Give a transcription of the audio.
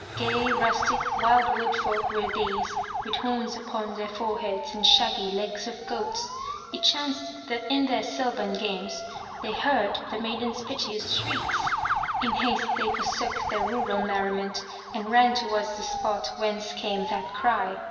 Gay, rustic, wild wood folk were these, with horns upon their foreheads and shaggy legs of goats. It chanced that in their sylvan games they heard the maiden's piteous shrieks. In haste they forsook their rural merriment and ran towards the spot whence came that cry.